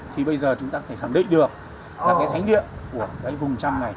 thì bây giờ chúng ta phải khẳng định được là cái thánh địa của cái vùng châm này